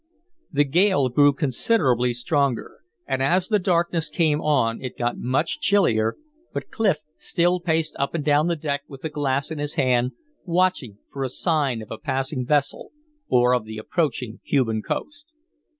The gale grew considerably stronger, and as the darkness came on it got much chillier, but Clif still paced up and down the deck with the glass in his hand watching for a sign of a passing vessel, or of the approaching Cuban coast.